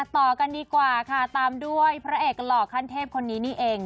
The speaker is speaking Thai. ต่อกันดีกว่าค่ะตามด้วยพระเอกหล่อขั้นเทพคนนี้นี่เอง